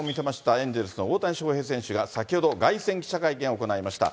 エンゼルスの大谷翔平選手が先ほど凱旋記者会見を行いました。